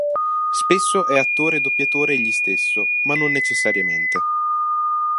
Spesso è attore e doppiatore egli stesso, ma non necessariamente.